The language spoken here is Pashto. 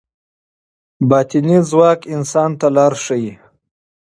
باطني ځواک انسان ته لار ښيي.